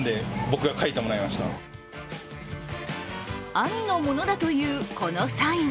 兄のものだというこのサイン。